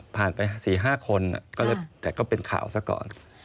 ผ่านไป๔๕คนแต่ก็เป็นข่าวซะก่อน